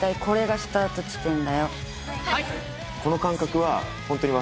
はい。